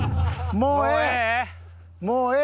もうええ。